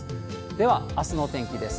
では、あすのお天気です。